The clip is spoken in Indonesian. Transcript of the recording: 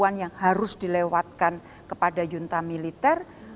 bisa melakukan komunikasi dengan stakeholders yang banyak sekali dalam konteks membangun trust